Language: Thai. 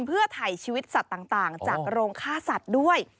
เพื่อถ่ายชีวิตสัตว์ต่างจากโรงฆ่าสัตว์ด้วย